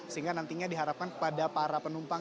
sehingga nantinya diharapkan kepada para penumpang